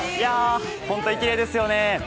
本当にきれいですよね。